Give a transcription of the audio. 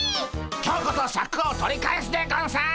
今日こそシャクを取り返すでゴンス。